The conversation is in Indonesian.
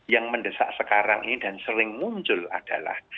yang mendesak sekarang ini dan sering muncul adalah